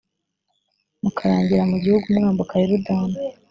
mukarangira mu gihugu mwambuka yorodani